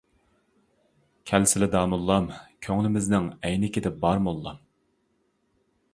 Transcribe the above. كەلسىلە داموللام، كۆڭلىمىزنىڭ ئەينىكىدە بار موللام!